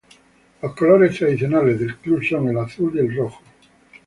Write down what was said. Los colores tradicionales del club son el azul y el rojo.